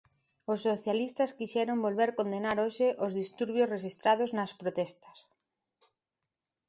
Os socialistas quixeron volver condenar hoxe os disturbios rexistrados nas protestas.